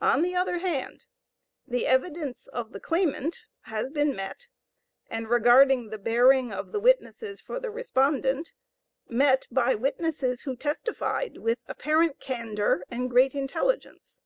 On the other hand, the evidence of the claimant has been met, and regarding the bearing of the witnesses for the respondent, met by witnesses who testified, with apparent candor and great intelligence.